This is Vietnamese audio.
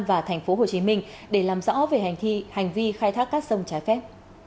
và tp hcm để làm rõ về hành vi khai thác cát sông trái phép